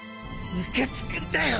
ムカつくんだよ！